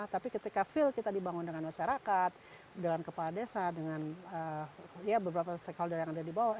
tapi ketika feel kita dibangun dengan masyarakat dengan kepala desa dengan beberapa stakeholder yang ada di bawah